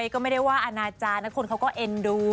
ก็ไม่ได้ว่าอนาจารย์นะคนเขาก็เอ็นดู